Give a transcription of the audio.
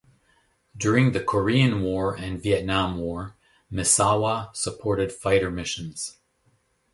During the Korean War and Vietnam War, Misawa supported fighter missions.